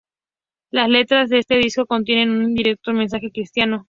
Las letras de este disco contienen un directo mensaje cristiano.